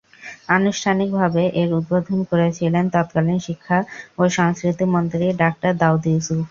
আনুষ্ঠানিকভাবে এর উদ্বোধন করেছিলেন তৎকালীন শিক্ষা ও সংস্কৃতি মন্ত্রী ডাক্তার দাউদ ইউসুফ।